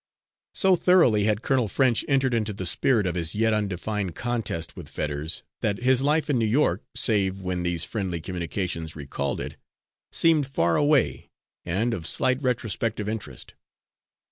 So thoroughly had Colonel French entered into the spirit of his yet undefined contest with Fetters, that his life in New York, save when these friendly communications recalled it, seemed far away, and of slight retrospective interest.